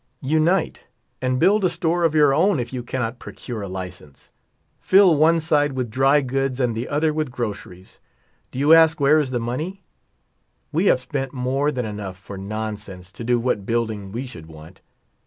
Unite and build a store of your own, if you cannot procure a license. Fill one side with dry goods and the other with groceries. Do 3'ou ask, where is the money? We have spent more than enough for nonsense to do what building we should want.